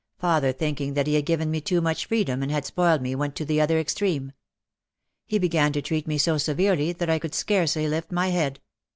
Father think ing that he had given me too much freedom and had spoiled me went to the other extreme. He began to treat me so severely that I could scarcely lift my head.